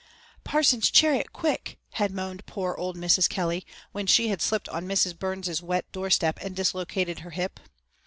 "Parson's Chariot, quick!" had moaned poor old Mrs. Kelly, when she had slipped on Mrs. Burns' wet doorstep and dislocated her hip.